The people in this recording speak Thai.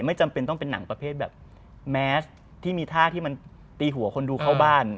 จำเป็นต้องเป็นหนังประเภทแบบแมสที่มีท่าที่มันตีหัวคนดูเข้าบ้าน